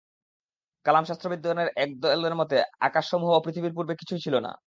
কালাম শাস্ত্রবিদগণের একদলের মতে আকাশসমূহ ও পৃথিবীর পূর্বে কিছুই ছিল না।